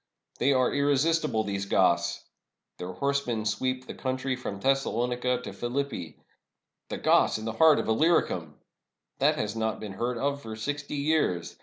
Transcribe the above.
They are irresistible, these Goths! Their horse men sweep the country from Thessalonica to Philippi. The Goths in the heart of Illyricum ! That has not been heard of for sixty years.